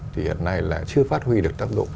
thì hiện nay chưa phát huy được tác dụng